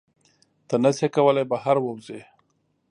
ته نشې کولی بهر ووځې.